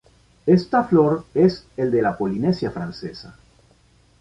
Esta flor es el de la Polinesia Francesa.